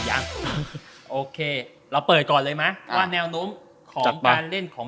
ยังโอเคเราเปิดก่อนเลยไหมว่าแนวโน้มของการเล่นของ